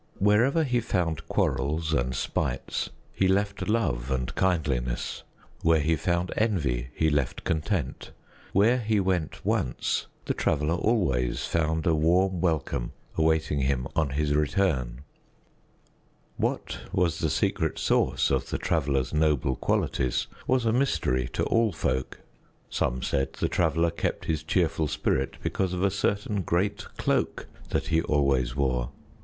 Wherever he found quarrels and spites, he left love and kindliness; where he found envy, he left content; where he went once, the Traveler always found a warm welcome awaiting him on his return. What was the secret source of the Traveler's noble qualities was a mystery to all folk. Some said the Traveler kept his cheerful spirit because of a certain great cloak that he always wore.